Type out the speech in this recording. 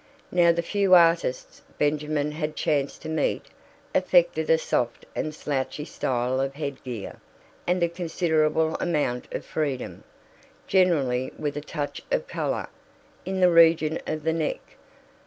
Now the few artists Benjamin had chanced to meet affected a soft and slouchy style of head gear, and a considerable amount of freedom, generally with a touch of colour, in the region of the neck.